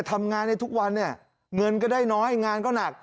ทำงานในทุกวันเนี่ยเงินก็ได้น้อยงานก็หนัก